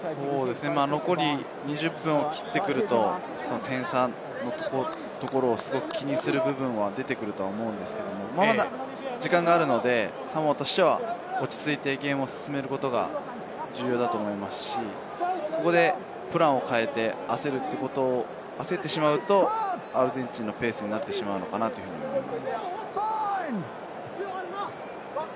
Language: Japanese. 残り２０分を切ってくると点差のところをすごく気にする部分は出てくると思うんですけれど、まだ時間があるので、サモアとしては落ち着いてゲームを進めることが重要だと思いますし、ここでプランを変えて焦るとアルゼンチンのペースになってしまうのかなと思います。